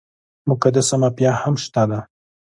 مقدسه مافیا هم شته ده.